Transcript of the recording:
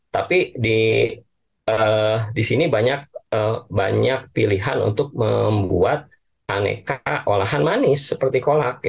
tapi di sini banyak pilihan untuk membuat aneka olahan manis seperti kolak